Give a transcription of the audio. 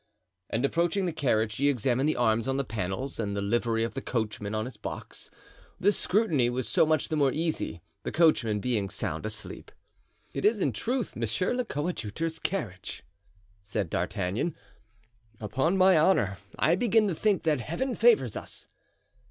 And approaching the carriage, he examined the arms on the panels and the livery of the coachman on his box. This scrutiny was so much the more easy, the coachman being sound asleep. "It is, in truth, monsieur le coadjuteur's carriage," said D'Artagnan; "upon my honor I begin to think that Heaven favors us."